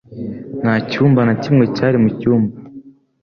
Nta cyumba na kimwe cyari mu cyumba